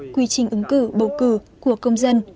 quy trình ứng cử bầu cử của công dân